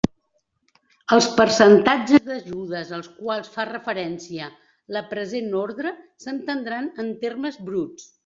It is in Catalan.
Els percentatges d'ajudes als quals fa referència la present ordre s'entendran en termes bruts.